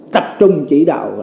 tập trung chỉ đạo